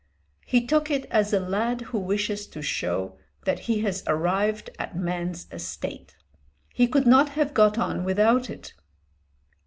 "He took it as a lad who wishes to show that he has arrived at man's estate. He could not have got on without it."